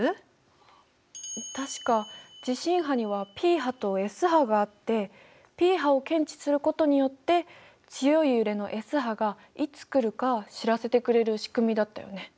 確か地震波にはＰ波とＳ波があってＰ波を検知することによって強い揺れのＳ波がいつ来るか知らせてくれるしくみだったよね。